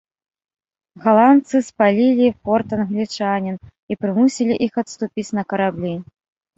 Галандцы спалілі форт англічанін, і прымусілі іх адступіць на караблі.